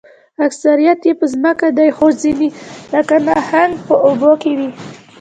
اکثریت یې په ځمکه دي خو ځینې لکه نهنګ په اوبو کې وي